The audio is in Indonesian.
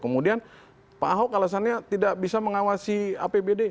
kemudian pak ahok alasannya tidak bisa mengawasi apbd